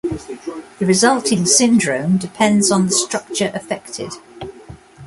The resulting syndrome depends on the structure affected.